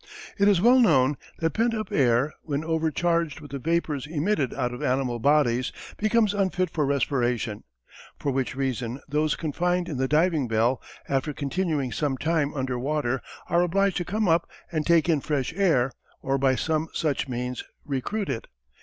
It is well known, that pent up air, when overcharged with the vapours emitted out of animal bodies, becomes unfit for respiration; for which reason, those confined in the diving bell, after continuing some time under water are obliged to come up, and take in fresh air, or by some such means recruit it.